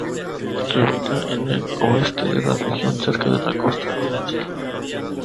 Se ubica en el oeste de la región, cerca de la costa atlántica.